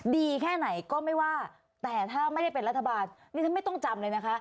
แค่ไหนก็ไม่ว่าแต่ถ้าไม่ได้เป็นรัฐบาลนี่ฉันไม่ต้องจำเลยนะคะ